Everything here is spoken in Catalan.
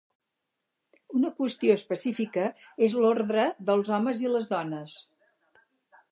Una qüestió específica és l'ordre dels homes i les dones.